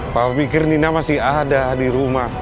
papa pikir nina masih ada di rumah